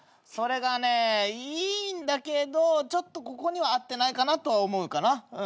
それがねいいんだけどここには合ってないかなとは思うかな。